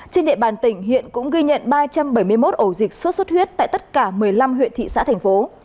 trên địa bàn tỉnh hiện cũng ghi nhận ba trăm bảy mươi một ổ dịch sốt xuất huyết tại tất cả một mươi năm huyện thị xã thành phố